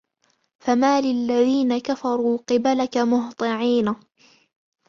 فَمَالِ الَّذِينَ كَفَرُوا قِبَلَكَ مُهْطِعِينَ